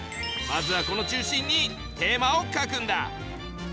まずはこの中心にテーマを書くんだ！